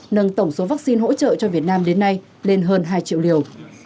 nâng tổng số vaccine hỗ trợ cho việt nam đến nay lên hơn hai triệu liều